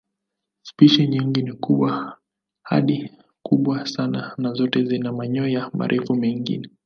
Spishi nyingi ni kubwa hadi kubwa sana na zote zina manyoya marefu mengi.